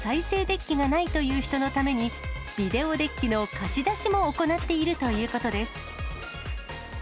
デッキがないという人のために、ビデオデッキの貸し出しも行っているということです。